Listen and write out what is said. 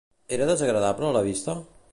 Era desagradable a la vista?